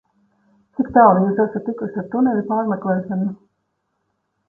Cik tālu Jūs esat tikuši ar tuneļu pārmeklēšanu?